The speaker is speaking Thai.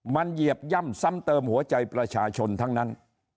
มันเหยียบย่ำซ้ำเติมหัวใจประชาชนทั้งนั้น